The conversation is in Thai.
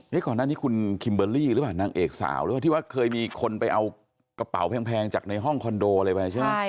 ก่อนหน้านี้คุณคิมเบอร์รี่หรือเปล่านางเอกสาวหรือเปล่าที่ว่าเคยมีคนไปเอากระเป๋าแพงจากในห้องคอนโดอะไรไปใช่ไหม